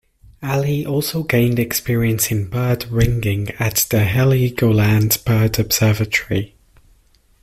Ali also gained experience in bird ringing at the Heligoland Bird Observatory.